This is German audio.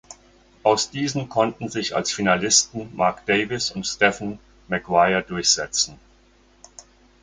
Aus diesen konnten sich als Finalisten Mark Davis und Stephen Maguire durchsetzen.